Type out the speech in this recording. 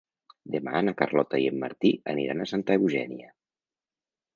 Demà na Carlota i en Martí aniran a Santa Eugènia.